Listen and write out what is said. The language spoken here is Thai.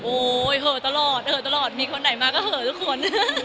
โอ้ยเหลือตลอดมีคนไหนมาก็เหลือทุกคน